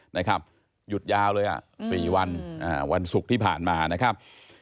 หยุดยาวเลยอ่ะ๔วันวันศุกร์ที่ผ่านมานะครับ